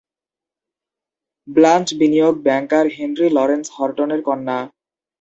ব্লাঞ্চ বিনিয়োগ banker Henry Lawrence হর্টনের কন্যা।